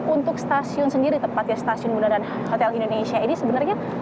untuk stasiun sendiri tepatnya stasiun bundaran hotel indonesia ini sebenarnya